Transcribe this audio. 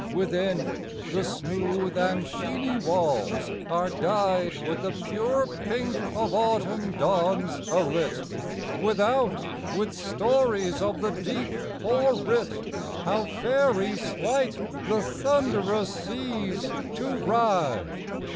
Within, the smooth and sheeny walls are dyed With the pure pink of autumn dawns alit; Without, with stories of the deep o'er writ, How fairy slight the thunderous seas to ride!